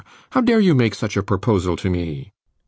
How dare you make such a proposal to me?